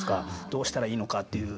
どうしたらいいのかっていう。